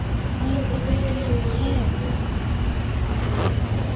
Мыйын тыгай вий уке...